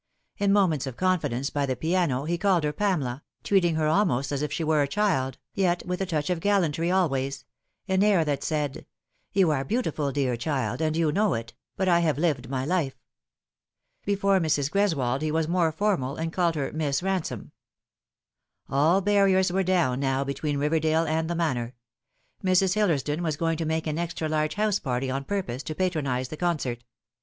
In moments of confidence by tha piano he called her Pamela, treating her almost as if she were a child, yet with a touch of gallantry always an air that said, " You are beautiful, dear child, and you know it ; but I have lived my life." Before Mrs. Greswold he was more formal, and called her Miss Ransome. All barriers were down now between Eiverdale and the Manor. Mrs. Hillersdon was going to make an extra large house party on purpose to patronise the concert.